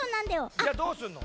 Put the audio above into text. じゃあどうすんの？